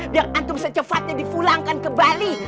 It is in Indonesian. biar antum secepatnya di pulangkan ke bali